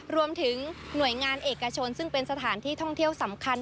รวมถึงหน่วยงานเอกชนซึ่งเป็นสถานที่ท่องเที่ยวสำคัญ